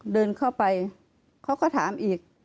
เดินเข้าไปเขาก็ถามอีก